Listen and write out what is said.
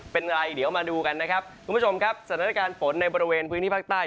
เป็นไรเดี๋ยวมาดูกันนะครับคุณผู้ชมครับสถานการณ์ฝนในบริเวณพื้นที่ภาคใต้